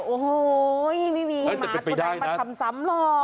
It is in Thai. โอ้โหมีหมาตรงไหนมันทำซ้ำหรอก